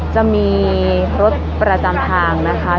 จะมีรถประจำทางนะคะ